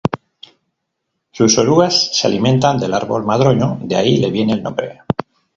Sus orugas se alimentan del árbol madroño, de ahí le viene el nombre.